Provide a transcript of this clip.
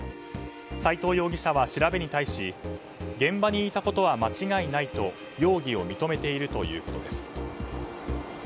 斎藤容疑者は調べに対し現場にいたことは間違いないと容疑を認めているということです。